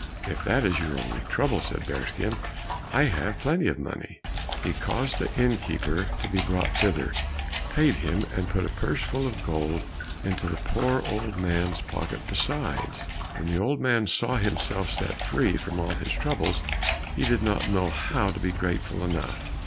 "If that is your only trouble," said Bearskin, "I have plenty of money." He caused the innkeeper to be brought thither, paid him and put a purse full of gold into the poor old man's pocket besides. When the old man saw himself set free from all his troubles he did not know how to be grateful enough.